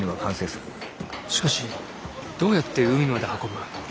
しかしどうやって海まで運ぶ。